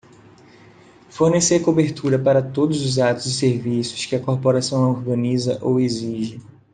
Fornecer cobertura para todos os atos e serviços que a corporação organiza ou exige.